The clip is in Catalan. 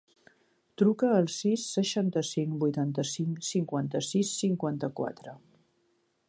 Truca al sis, seixanta-cinc, vuitanta-cinc, cinquanta-sis, cinquanta-quatre.